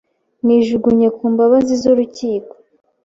Nijugunye ku mbabazi z'urukiko.